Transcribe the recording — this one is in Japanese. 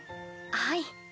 はい。